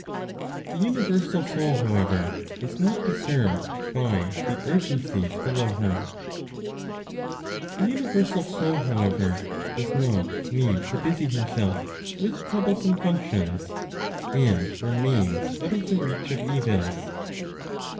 THE UNIVERSAL SOUL, HOWEVER, IS NOT DISTURBED BY THE URGENCIES BELOW HER. The universal Soul, however, does not need to busy herself with troublesome functions, and remains out of the reach of evils.